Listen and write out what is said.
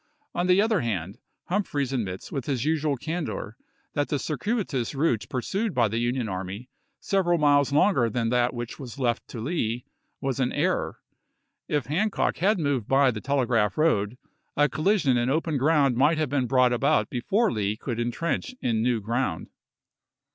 On the other hand, Humphi eys admits with his usual candor Hum that the circuitous route pursued by the Union "The '^''. Virgmia army, several miles longer than that which was left ^^f^^ to Lee, was an error. If Hancock had moved by pp^faef is?, the Telegraph road, a collision in open ground might have been brought about before Lee could intrench in new ground.